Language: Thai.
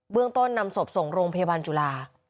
เบื้องต้นนำสบส่งโรงพยาบาลจุฬา